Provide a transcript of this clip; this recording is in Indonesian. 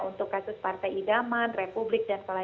untuk kasus partai idaman republik dan lain lain